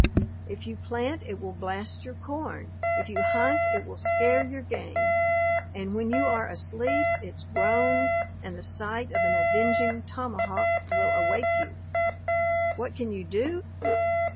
If you plant, it will blast your corn; if you hunt, it will scare your game; and when you are asleep, its groans, and the sight of an avenging tomahawk, will awake you! What can you do?